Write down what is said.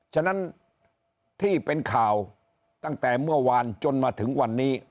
ฉะนั้นที่เป็นข่าวตั้งแต่เมื่อวานจนมาถึงวันนี้